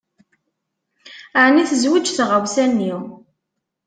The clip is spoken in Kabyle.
Ɛni tezweǧ tɣawsa-nni?